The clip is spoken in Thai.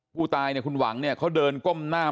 ผู้ตายเนี่ยคุณหวังเนี่ยเขาเดินก้มหน้า